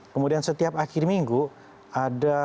kemudian setiap akhir minggu ada